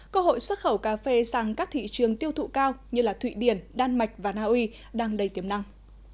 cơ hội xuất khẩu cà phê sang các thị trường tiêu thụ cao như thụy điển đan mạch và naui đang đầy tiềm năng